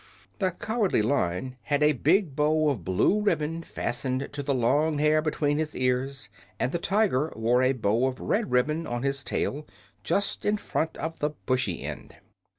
The Cowardly Lion had a big bow of blue ribbon fastened to the long hair between his ears, and the Tiger wore a bow of red ribbon on his tail, just in front of the bushy end.